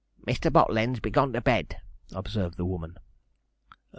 'Mr. Bottleends be gone to bed,' observed the woman.